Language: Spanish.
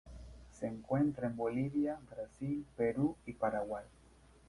Se encuentra en Bolivia, Brasil, Perú y Paraguay.